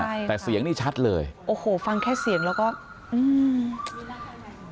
ใช่ค่ะแต่เสียงนี้ชัดเลยโอ้โหฟังแค่เสียงแล้วก็อืม